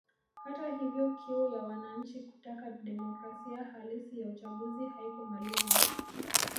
Hata hivyo kiu ya wananchi kutaka demokrasia halisi ya uchaguzi haikumalizwa